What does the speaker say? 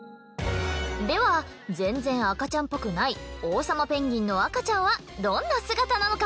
ではぜんぜん赤ちゃんっぽくないオウサマペンギンの赤ちゃんはどんな姿なのか？